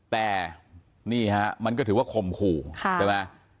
แต่นี่ฮะมันก็ถือว่าข่มขู่ใช่ไหม